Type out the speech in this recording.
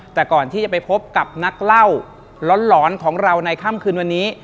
แต่ก่อนที่จะไปพบกับนักเล่าร้อนของเราในค่ำคืนวันนี้